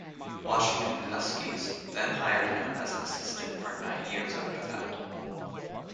Washington Huskies then hired him as an assistant for nine years after that.